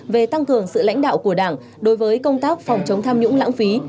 về tăng cường sự lãnh đạo của đảng đối với công tác phòng chống tham nhũng lãng phí